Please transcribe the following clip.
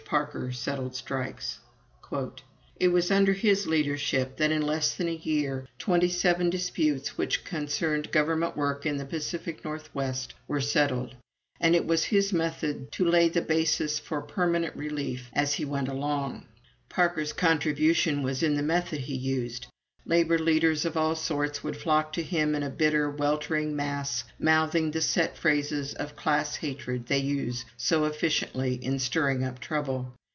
Parker Settled Strikes": "It was under his leadership that, in less than a year, twenty seven disputes which concerned Government work in the Pacific Northwest were settled, and it was his method to lay the basis for permanent relief as he went along. ... "Parker's contribution was in the method he used. ... Labor leaders of all sorts would flock to him in a bitter, weltering mass, mouthing the set phrases of class hatred they use so effectually in stirring up trouble.